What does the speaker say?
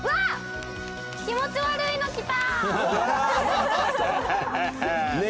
気持ち悪いのきた！